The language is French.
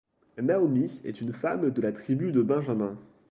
Naomi est une femme de la tribu de Benjamin.